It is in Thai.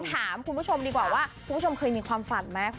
ถามคุณผู้ชมดีกว่าว่าคุณผู้ชมเคยมีความฝันไหม